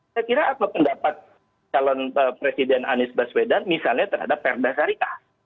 saya kira apa pendapat calon presiden anies baswedan misalnya terhadap perda syariah